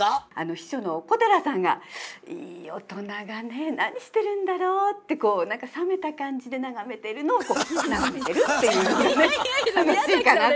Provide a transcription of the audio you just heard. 秘書の小寺さんが「いい大人がね何してるんだろう」ってこう何か冷めた感じで眺めてるのを眺めてるっていうのが楽しいかなって。